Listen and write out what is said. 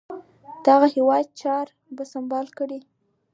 دغه هیواد چاري سمبال کړي.